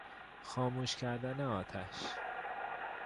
خاموش کردن آتش